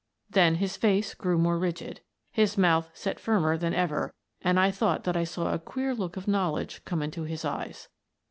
Then his face grew more rigid ; his mouth set firmer than ever, and I thought that I saw a queer look of knowledge come into his eyes.